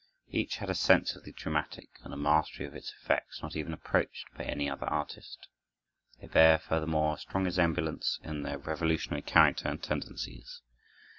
Each had a sense of the dramatic and a mastery of its effects not even approached by any other artist. They bear, furthermore, a strong resemblance in their revolutionary character and tendencies.